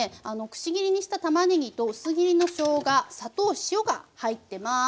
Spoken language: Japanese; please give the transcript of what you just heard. くし切りにしたたまねぎと薄切りのしょうが砂糖塩が入ってます。